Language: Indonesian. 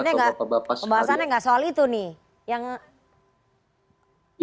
ini pembahasannya gak soal itu nih